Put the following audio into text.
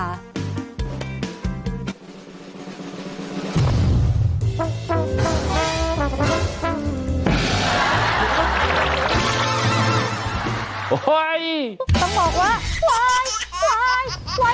ต้องบอกว่า